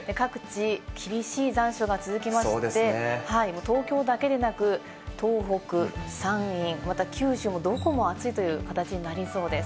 各地厳しい残暑が続きまして東京だけでなく東北、山陰、また九州もどこも暑いという形になりそうです。